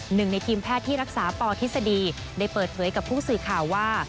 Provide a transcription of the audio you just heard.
หนึ่งในทีมแพทย์ที่รักษาปทฤษฎีได้เปิดเผยกับผู้สื่อข่าวว่า